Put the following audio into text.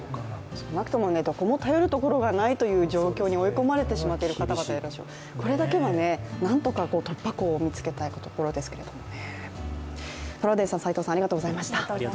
少なくともどこも頼るところがないという状況に追い込まれている方々がいるのでこれだけは何とか突破口を見つけたいところですけれどもね。